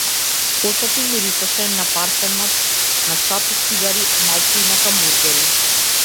Косата ѝ мирисаше на парфемот, на чад од цигари, малку и на хамбургери.